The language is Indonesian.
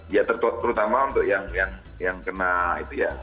ya terutama untuk yang kena itu ya